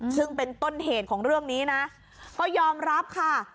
ซึ่งเป็นต้นเหตุของเรื่องนี้นะก็ยอมรับค่ะ